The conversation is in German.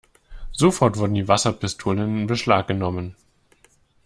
Sofort wurden die Wasserpistolen in Beschlag genommen.